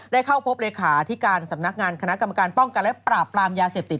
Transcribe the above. เข้าพบเลขาที่การสำนักงานคณะกรรมการป้องกันและปราบปรามยาเสพติด